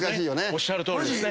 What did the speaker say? おっしゃるとおりです。